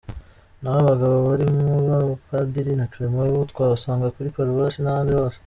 Naho abagabo barimo ba Padiri na Clement bo twabasanga kuri Paruwasi n’ahandi hose.